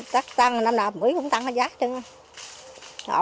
tắc tăng năm nào bưởi cũng tăng nó giá chứ không